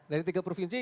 dari tiga provinsi